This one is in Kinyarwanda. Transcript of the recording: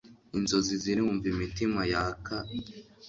Inzozi zirumva imitima yaka